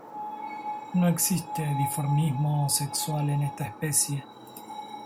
No existe dimorfismo sexual en esta especie.